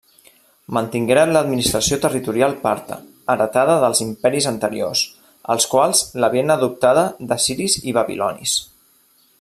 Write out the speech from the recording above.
Mantingueren l'administració territorial parta, heretada dels imperis anteriors, els quals l'havien adoptada d'assiris i babilonis.